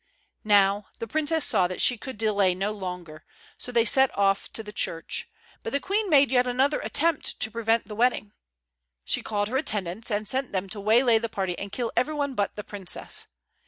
Now, the princess saw that she could delay no longer, so they set off to the church, but the queen made yet another attempt to prevent the wedding. She called her attendants, and sent them to waylay the party and kill every one but the princess.